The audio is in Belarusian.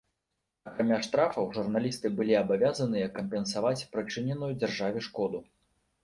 Акрамя штрафаў, журналісты былі абавязаныя кампенсаваць прычыненую дзяржаве шкоду.